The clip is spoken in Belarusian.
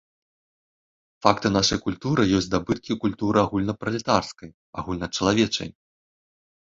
Факты нашай культуры ёсць здабыткі культуры агульнапралетарскай, агульначалавечай.